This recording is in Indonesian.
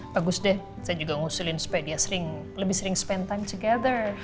bagus deh saya juga ngusulin supaya dia sering lebih sering spend time together